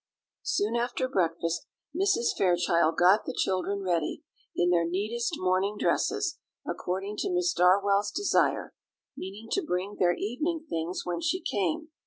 Soon after breakfast Mrs. Fairchild got the children ready, in their neatest morning dresses, according to Miss Darwell's desire; meaning to bring their evening things when she came.